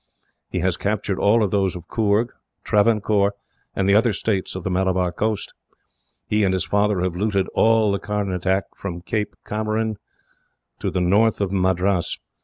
He has captured all those of Coorg, Travancore, and the other states on the Malabar coast. He and his father have looted all the Carnatic, from Cape Comorin to the north of Madras.